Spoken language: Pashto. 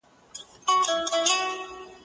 په ستوني کي یې غوټه غوټه سوله وې ژړل